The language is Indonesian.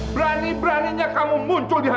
berani beraninya kamu muncul dihantar